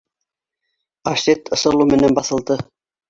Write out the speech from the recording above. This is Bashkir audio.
Офсет ысулы менән баҫылды.